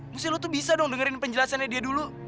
mesti lo tuh bisa dong dengerin penjelasannya dia dulu